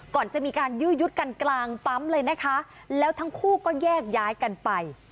ก่อนจะมีการยื้อยุดกันกลางปั๊มเลยนะคะแล้วทั้งคู่ก็แยกย้ายกันไป